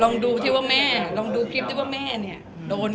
ลองดูที่ว่าแม่ลองดูคลิปที่ว่าแม่เนี่ยโดน